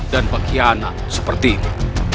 dan berkhianat seperti ini